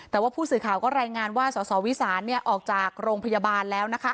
แต่ว่าผู้สื่อข่าวก็รายงานว่าสสวิสานออกจากโรงพยาบาลแล้วนะคะ